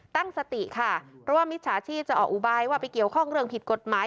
ตั้งสติค่ะเพราะว่ามิจฉาชีพจะออกอุบายว่าไปเกี่ยวข้องเรื่องผิดกฎหมาย